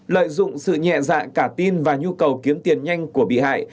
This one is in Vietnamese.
bốn lợi dụng sự nhẹ dạng cả tin và nhu cầu kiếm tiền nhanh của bị hại